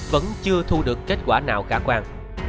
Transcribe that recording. vẫn chưa thu được kết quả nào cả quan